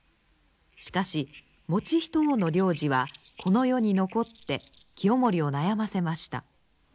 しかし以仁王の令旨はこの世に残って清盛を悩ませました。